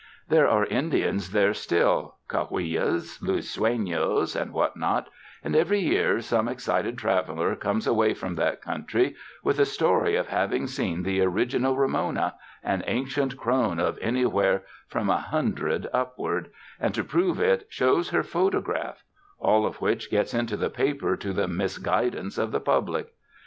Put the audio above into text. There are Indians there still — Coahuil las, Luiseiios and what not — and every year some excited traveler comes away from that country with a story of having seen the original Ramona, an an cient crone of anywhere from a hundred upward; and to prove it, shows her photograph ; all of which gets into the paper to the misguidance of the public.